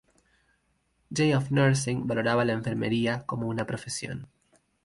J. of Nursing" valoraba la enfermería como una profesión.